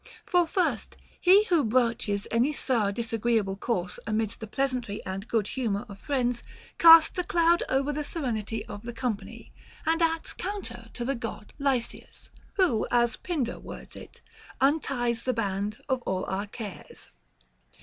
For first, he who broaches any sour disagreeable discourse amidst the pleasantry and good humor of friends casts a cloud over the serenity of the company, and acts counter to the God Lysius,* who, as Pindar words it, unties the band of all our cares.